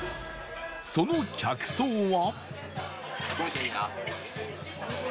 その客層は